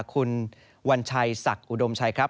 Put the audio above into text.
คุณวัญชัยศักดิ์อุดมชัยครับ